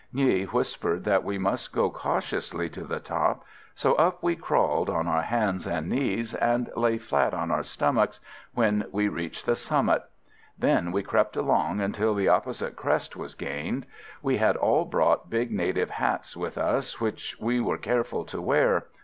Nghi whispered that we must go cautiously to the top, so up we crawled on our hands and knees and lay flat on our stomachs when we reached the summit. Then we crept along until the opposite crest was gained. We had all brought big native hats with us, which we were careful to wear.